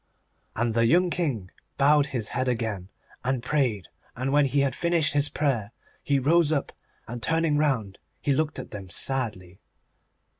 And the young King bowed his head again, and prayed, and when he had finished his prayer he rose up, and turning round he looked at them sadly.